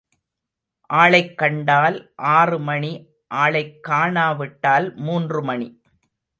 ஆளைக் கண்டால் ஆறு மணி ஆளைக் காணா விட்டால் மூன்று மணி.